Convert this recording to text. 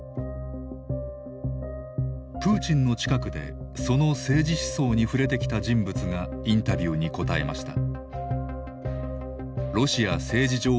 プーチンの近くでその政治思想に触れてきた人物がインタビューにこたえました。